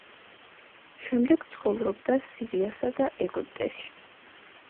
შემდეგ ცხოვრობდა სირიასა და ეგვიპტეში.